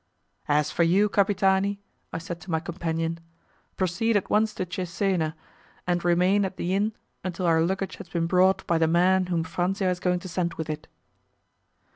"As for you, Capitani," I said to my companion, "proceed at once to Cesena, and remain at the inn until our luggage has been brought by the man whom Franzia is going to send with it."